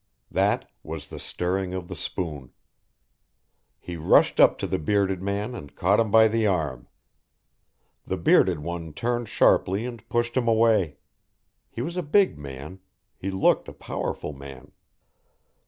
That was the stirring of the spoon. He rushed up to the bearded man and caught him by the arm. The bearded one turned sharply and pushed him away. He was a big man; he looked a powerful man.